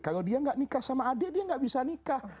kalau dia nggak nikah sama adik dia nggak bisa nikah